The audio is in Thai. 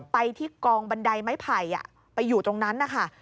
ไปที่กองบันไดไม้ไผ่ไปอยู่ตรงนั้นนะคะ